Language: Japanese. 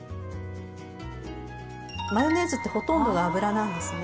マヨネーズってほとんどが油なんですね。